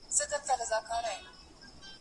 له چینو غونډۍ د سیند تر خم پورې